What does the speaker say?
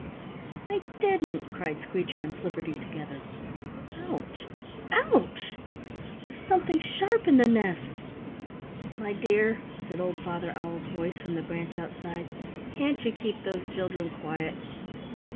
"I didn't," cried Screecher and Flipperty, together. "Ouch! Ouch! There's something sharp in the nest." "My dear," said old Father Owl's voice from the branch outside, "can't you keep those children quiet?"